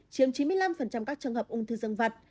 chiếm chín mươi năm các trường hợp ung thư dân vật